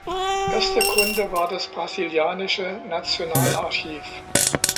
Erster Kunde war das Brasilianische Nationalarchiv.